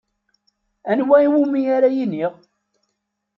Anwa umi ara iniɣ?